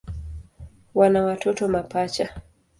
Wana watoto mapacha.